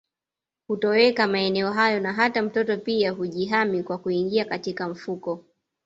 Hutoweka maeneo hayo na hata mtoto pia hujihami kwa kuingia katika mfuko